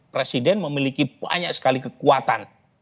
presiden memiliki banyak sekali kekuatan